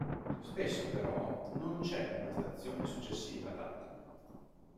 Spesso però "non c'è" una stazione successiva adatta.